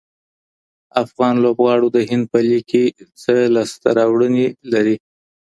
افغان لوبغاړو د هند په لیګ کي څه لاسته راوړنې لري؟